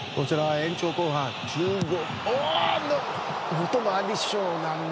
延長後半１５分。